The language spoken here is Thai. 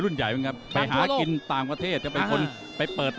นะครับ